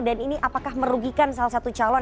dan ini apakah merugikan salah satu calon